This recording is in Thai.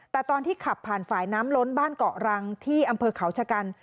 แต่ตอนที่ขับผ่านฝ่ายน้ำล้นบ้านเกาะรังที่อำเภอเขาชะกัน